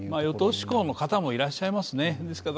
与党志向の方もいらっしゃいますね。